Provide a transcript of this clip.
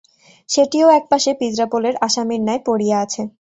সেটিও একপাশে পিজরাপোলের আসামীর ন্যায় পড়িয়া আছে।